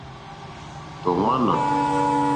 Tɔ̀ ŋmánà.